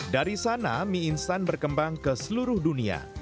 dari sana mie instan berkembang ke seluruh dunia